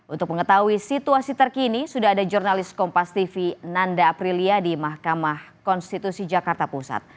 untuk mengetahui situasi terkini sudah ada jurnalis kompas tv nanda aprilia di mahkamah konstitusi jakarta pusat